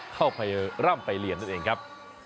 เข้าไปร่ำไปเรียนนั่นเองครับ